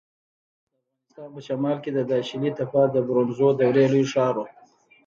د افغانستان په شمال کې د داشلي تپه د برونزو دورې لوی ښار و